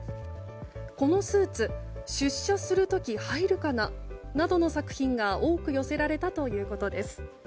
「このスーツ出社するとき入るかな」などの作品が多く寄せられたということです。